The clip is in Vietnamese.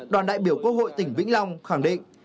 đoàn đại biểu quốc hội tỉnh vĩnh long khẳng định